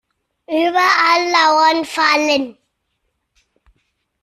Überall lauern Fallen.